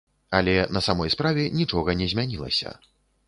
Але на самой справе нічога не змянілася.